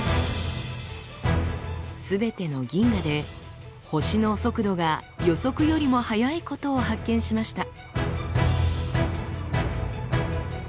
すべての銀河で星の速度が予測よりも速いことを発見しました。